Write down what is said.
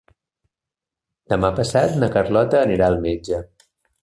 Demà passat na Carlota anirà al metge.